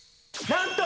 なんと？